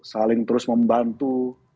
saling terus membantu